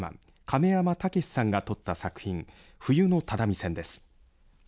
亀山岳史さんが撮った作品冬の只見線です。